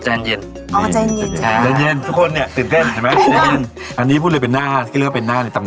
ตอนเด็กเลยเนอะจริงจริงแล้วคุณเจคุณเจเป็นเจ้าของ